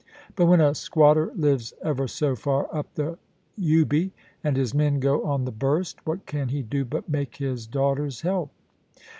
But when a squatter lives ever so far up the Ubi, and his men go on the burst, what can he do but make his daughters help